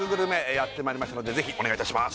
やってまいりましたのでぜひお願いいたします